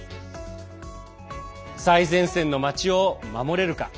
最前線の町を守れるか。